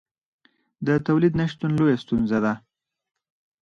د تولید نشتون لویه ستونزه ده.